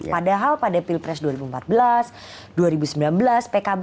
padahal pada pilpres dua ribu empat belas dua ribu sembilan belas pkb ini solid mendukung pak prabowo